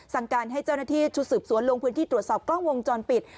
สั่งการให้เจ้าหน้าที่ชุดสืบสวนลงพื้นที่ตรวจสอบกล้องวงจรปิด